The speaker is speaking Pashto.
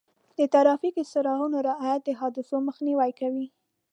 د ټرافیک څراغونو رعایت د حادثو مخنیوی کوي.